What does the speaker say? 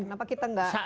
kenapa kita gak belajar